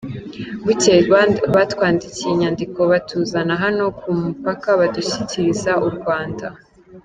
Bukeye batwandikiye inyandiko batuzana hano ku mupaka, badushyikiriza u Rwanda.”